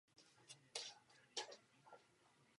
Mike přijal.